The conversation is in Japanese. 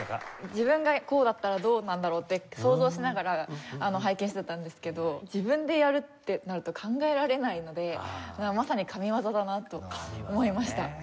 自分がこうだったらどうなんだろうって想像しながら拝見していたんですけど自分でやるってなると考えられないのでまさに神業だなと思いました。